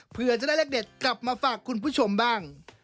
เพื่อจะได้เลขเด็ดกลับมาฝากคุณผู้ชมบ้าง